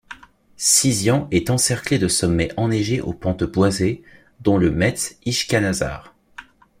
Sisian est encerclée de sommets enneigés aux pentes boisées, dont le Mets Ishkhanasar.